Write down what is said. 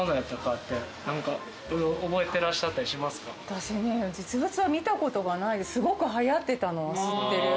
私実物は見たことがないすごくはやってたのは知ってる。